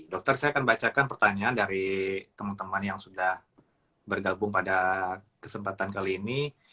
dokter saya akan bacakan pertanyaan dari teman teman yang sudah bergabung pada kesempatan kali ini